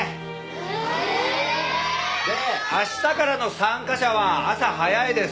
ええ！で明日からの参加者は朝早いです。